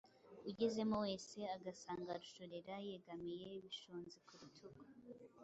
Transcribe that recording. Ugezemo wese agasanga Rushorera yegamiye Bishunzi ku rutugu.